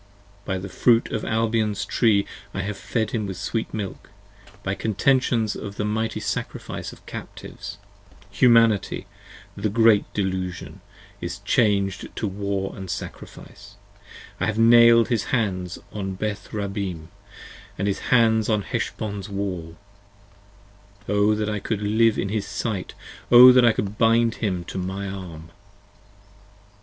40 By the fruit of Albion's Tree I have fed him with sweet milk, By contentions of the mighty for Sacrifice of Captives: Humanity, the Great Delusion, is chang'd to War & Sacrifice: I have nail'd his hands on Beth Rabbim & his hands on Heshbon's Wall: O that I could live in his sight: O that I could bind him to my arm.